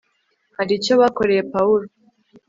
hari icyo bakoreye pawulo